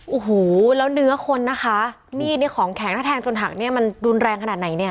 โอ้โหแล้วเนื้อคนนะคะมีดของแทงจนหักมันรุนแรงขนาดไหน